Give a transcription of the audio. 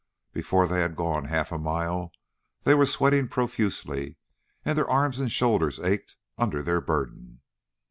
Before they had gone half a mile, they were sweating profusely and their arms and shoulders ached under their burden.